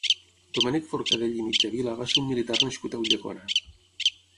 Domènec Forcadell i Mitjavila va ser un militar nascut a Ulldecona.